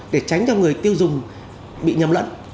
để tránh cho người tiêu dùng bị nhầm lẫn